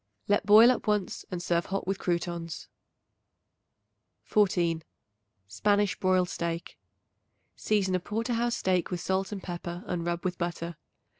Let boil up once and serve hot with croutons. 14. Spanish Broiled Steak. Season a porter house steak with salt and pepper and rub with butter.